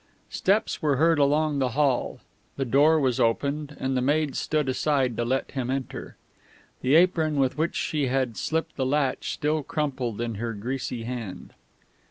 Steps were heard along the hall; the door was opened; and the maid stood aside to let him enter, the apron with which she had slipped the latch still crumpled in her greasy hand.